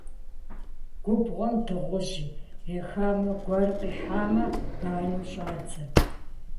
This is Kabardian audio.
Губгъуэм дыгъужь е хамэ гуэр къихьамэ, банэу щӀадзэ.